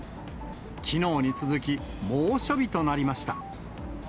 きのうに続き、猛暑日となりました。